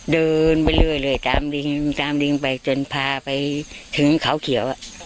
เดินไปเรื่อยตามลิงตามลิงไปจนพาไปถึงเขาเขียว